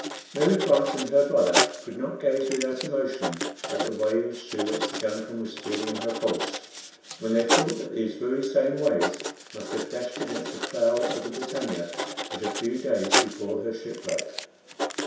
Mary Grant and her brother could not gaze without emotion at the waves through which the DUNCAN was speeding her course, when they thought that these very same waves must have dashed against the prow of the BRITANNIA but a few days before her shipwreck.